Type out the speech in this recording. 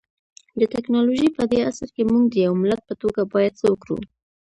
د ټکنالوژۍ پدې عصر کي مونږ د يو ملت په توګه بايد څه وکړو؟